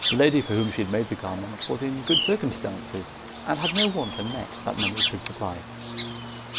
The lady for whom she had made the garment was in good circumstances, and had no want unmet that money could supply.